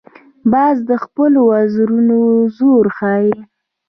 باز د خپلو وزرونو زور ښيي